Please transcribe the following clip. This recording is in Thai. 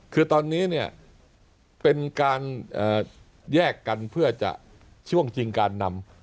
คือตอนนี้เนี่ยเป็นการแยกกันเพื่อจะช่วงจริงการนำ